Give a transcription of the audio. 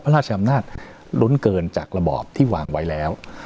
ราชอำนาจลุ้นเกินจากระบอบที่วางไว้แล้ว